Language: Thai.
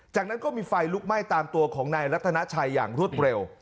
จากนั้นก็มีไฟลุกไหม้ตามตัวของนายรัฐนาชัยอย่างรวดเร็ว